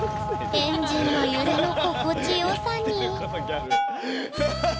エンジンの揺れの心地よさにハハハ！